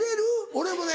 俺もね